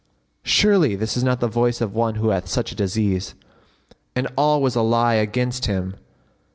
Surely this is not the voice of one who hath such a disease; and all was a lie against him."